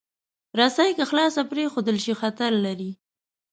رسۍ که خلاصه پرېښودل شي، خطر لري.